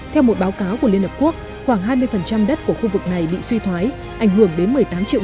theo một báo cáo của liên hợp quốc khoảng hai mươi đất của khu vực này bị suy thoái ảnh hưởng đến một mươi tám triệu